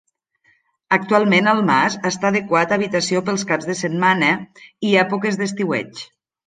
Actualment el mas està adequat a habitació pels caps de setmana i èpoques d'estiueig.